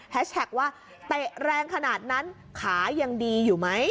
แท็กว่าเตะแรงขนาดนั้นขายังดีอยู่ไหม